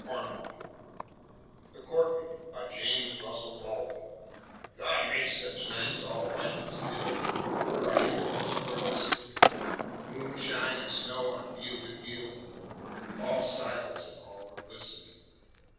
] THE COURTIN' BY JAMES RUSSELL LOWELL God makes sech nights, all white an' still Fur 'z you can look or listen, Moonshine an' snow on field an' hill, All silence an' all glisten.